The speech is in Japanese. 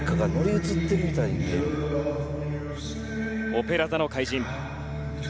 「オペラ座の怪人」。